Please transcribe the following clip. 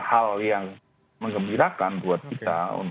hal yang mengembirakan